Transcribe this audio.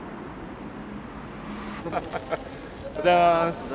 おはようございます。